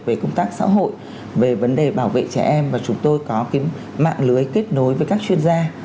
về công tác xã hội về vấn đề bảo vệ trẻ em và chúng tôi có mạng lưới kết nối với các chuyên gia